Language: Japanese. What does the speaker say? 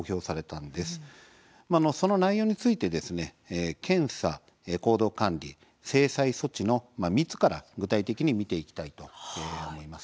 その内容について検査、行動管理、制裁措置の３つから具体的に見ていきたいと思います。